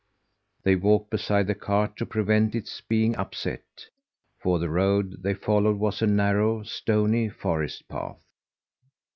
They walked beside the cart to prevent its being upset, for the road they followed was a narrow, stony forest path.